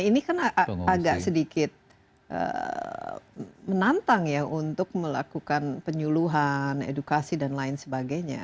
ini kan agak sedikit menantang ya untuk melakukan penyuluhan edukasi dan lain sebagainya